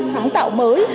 sáng tạo mới